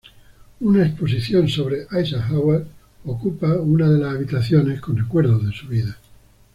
Una exposición sobre Eisenhower ocupa una de las habitaciones, con recuerdos de su vida.